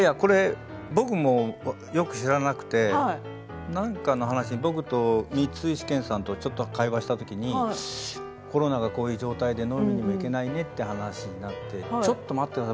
僕もよく知らなくてなんかの話に僕と光石研さんと会話をしたときにコロナがこういう状態で飲みにはいけないねってちょっと待ってください